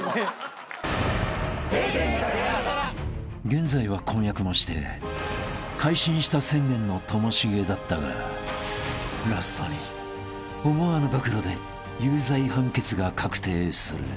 ［現在は婚約もして改心した宣言のともしげだったがラストに思わぬ暴露で有罪判決が確定する］